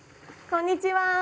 こんにちは。